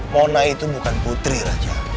mona itu bukan putri raja